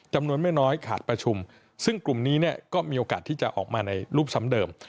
จำนวนไม่น้อยขาดประชุมซึ่งกลุ่มนี้เนี่ยก็มีโอกาสที่จะออกมาในรูปซ้ำเดิม